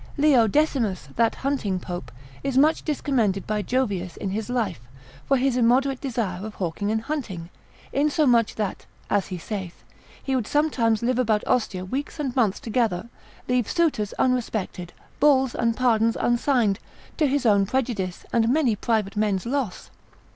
Leo Decimus, that hunting pope, is much discommended by Jovius in his life, for his immoderate desire of hawking and hunting, in so much that (as he saith) he would sometimes live about Ostia weeks and months together, leave suitors unrespected, bulls and pardons unsigned, to his own prejudice, and many private men's loss.